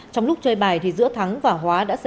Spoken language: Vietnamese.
trong lúc chơi bài giữa thắng và hóa đã xảy ra mâu thuẫn